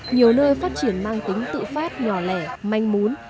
nhiều nơi phát triển mang tính tự phát nhỏ lẻ manh mún